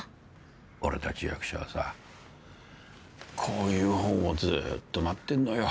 俺たち役者はさこういう本をずーっと待ってんのよ。